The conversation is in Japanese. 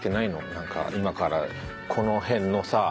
なんか今からこの辺のさ。